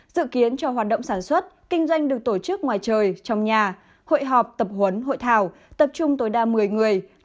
dự kiến cho hoạt động sản xuất kinh doanh được tổ chức ngoài trời trong nhà hội họp tập huấn hội thảo tập trung tối đa một mươi người